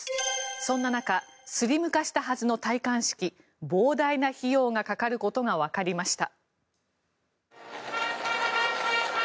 そんな中スリム化したはずの戴冠式膨大な費用がかかることがわかりました。